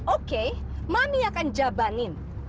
oke mami akan jabangin